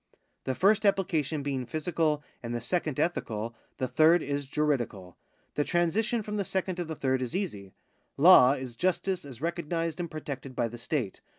The first application being physical and the second ethical, the third is juridical. The transition from the second to the third is easy. Law is justice as recognised and protected by the state.